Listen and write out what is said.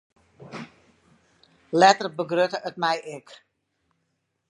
Letter begrutte it my ek.